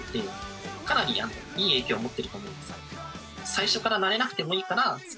最初からなれなくてもいいから。